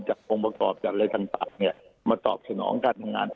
จากองค์ประกอบการอะไรต่างเนี่ยมาสนองฝนองการทำงานต่อ